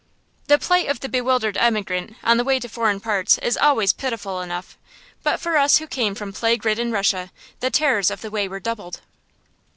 The plight of the bewildered emigrant on the way to foreign parts is always pitiful enough, but for us who came from plague ridden Russia the terrors of the way were doubled.